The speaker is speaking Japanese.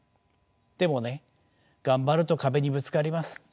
でもね頑張ると壁にぶつかります。